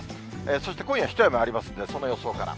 そして今夜、一雨ありますんで、その予想から。